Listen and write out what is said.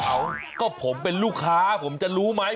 เขาก็ผมเป็นลูกค้าผมจะรู้ไหม